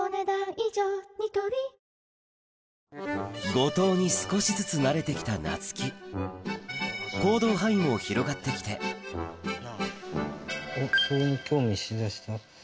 後藤に少しずつなれて来たなつき行動範囲も広がって来ておっそれに興味しだした？